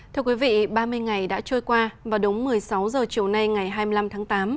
thưa quý vị ba mươi ngày đã trôi qua và đúng một mươi sáu h chiều nay ngày hai mươi năm tháng tám